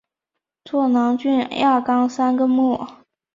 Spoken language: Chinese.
座囊菌亚纲三个目。